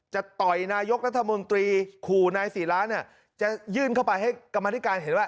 จะต่อยนายกรัฐมนตรีขู่นายศิราเนี่ยจะยื่นเข้าไปให้กรรมธิการเห็นว่า